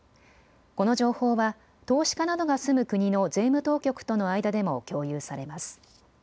この情報は投資家などが住む国の税務当局との間でも共有されます。